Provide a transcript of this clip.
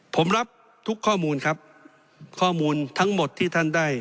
ผมรับทุกข้อมูลครับข้อมูลทั้งหมดที่ท่านได้